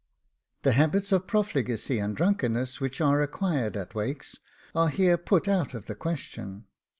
The habits of profligacy and drunkenness which are acquired at WAKES are here put out of the question.